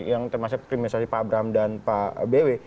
yang termasuk kriminalisasi pak abraham dan pak bw